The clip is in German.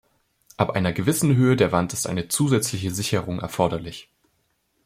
Ab einer gewissen Höhe der Wand ist eine zusätzliche Sicherung erforderlich.